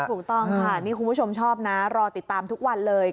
ถูกต้องค่ะนี่คุณผู้ชมชอบนะรอติดตามทุกวันเลย